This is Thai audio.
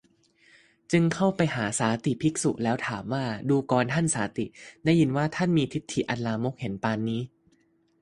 จึงเข้าไปหาสาติภิกษุแล้ว ถามว่า ดูกรท่านสาติ ได้ยินว่า ท่านมีทิฏฐิอันลามกเห็นปานนี้